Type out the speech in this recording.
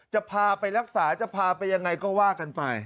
จะพาไปรักษาจะพาไปยังไงก็ว่ากันไป